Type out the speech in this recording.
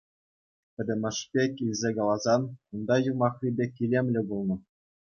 Пӗтӗмӗшпе илсе каласан, кунта юмахри пек илемлӗ пулнӑ.